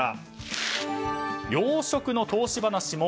養殖の投資話も。